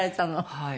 はい。